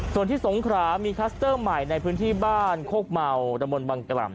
ส่วนที่สงขรามีคลัสเตอร์ใหม่ในพื้นที่บ้านโคกเมาตะมนต์บางกล่ำ